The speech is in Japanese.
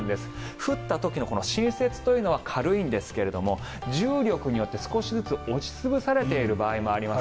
降った時の新雪というのは軽いんですが重力によって少しずつ押し潰されている場合もあります。